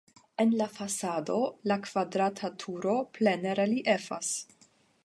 En la fasado la kvadrata turo plene reliefas.